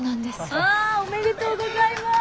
あぁおめでとうございます。